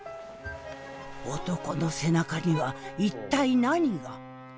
男の背中には一体何が？